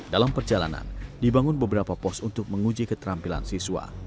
dalam perjalanan dibangun beberapa pos untuk menguji keterampilan siswa